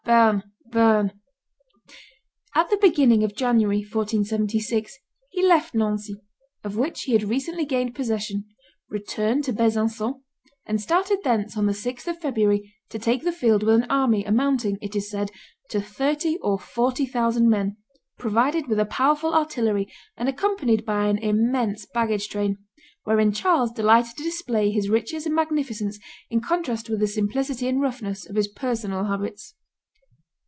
Berne! Berne!" At the be ginning of January, 1476, he left Nancy, of which he had recently gained possession, returned to Besancon, and started thence on the 6th of February to take the field with an army amounting, it is said, to thirty or forty thousand men, provided with a powerful artillery and accompanied by an immense baggage train, wherein Charles delighted to display his riches and magnificence in contrast with the simplicity and roughness of his personal habits.